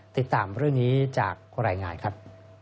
ติดตามเรื่องนี้จากรายงานครับ